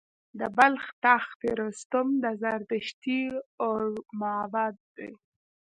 د بلخ تخت رستم د زردشتي اور معبد دی